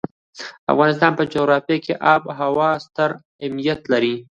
د افغانستان په جغرافیه کې آب وهوا ستر اهمیت لري.